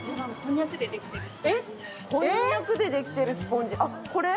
こんにゃくでできてるスポンジあっこれ？